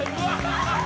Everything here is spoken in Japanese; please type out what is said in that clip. ハハハハ！」